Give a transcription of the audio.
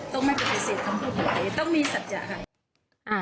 ต้องไม่เป็นเศษทั้งทุกคนเองต้องมีสัญญาค่ะ